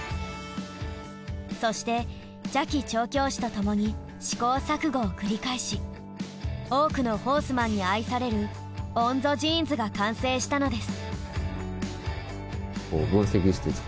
そして茶木調教師とともに試行錯誤を繰り返し多くのホースマンに愛されるＯＮＺＯジーンズが完成したのです。